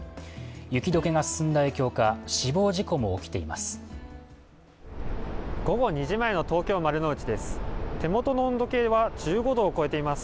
雪解けが進んだ影響か、死亡事故も起きています。